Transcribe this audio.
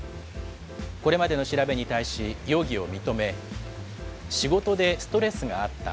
これまでの調べに対し容疑を認め、仕事でストレスがあった。